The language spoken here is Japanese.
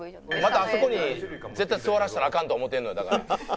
またあそこに絶対座らせたらアカンとは思ってんのよだから。